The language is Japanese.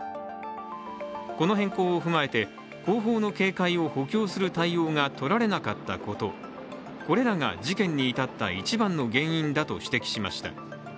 この変更を踏まえて、後方の警戒を補強する対応が取られなかったこと、これらが事件に至った一番の原因だと指摘しました。